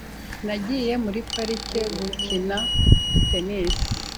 Nagiye muri parike gukina tennis .